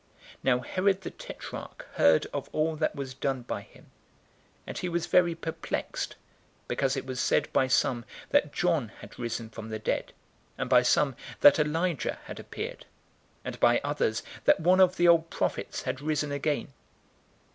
009:007 Now Herod the tetrarch heard of all that was done by him; and he was very perplexed, because it was said by some that John had risen from the dead, 009:008 and by some that Elijah had appeared, and by others that one of the old prophets had risen again.